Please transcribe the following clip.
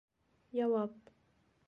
ЯУАП